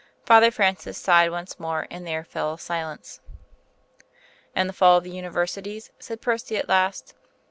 Father Francis sighed once more, and there fell a silence. "And the fall of the Universities?" said Percy at last.